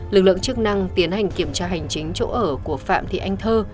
lực lượng chức năng tiến hành kiểm tra hành chính chỗ ở của phạm thị anh thơ